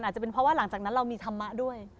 อาจจะเป็นเพราะว่าหลังจากนั้นเรามีธรรมะด้วย